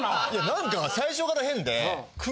なんか最初から変で。